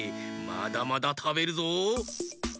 まだまだたべるぞ！